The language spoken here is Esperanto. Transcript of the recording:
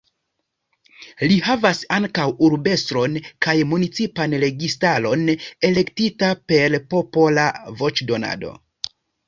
Ii havas ankaŭ urbestron kaj municipan registaron, elektita per popola voĉdonado.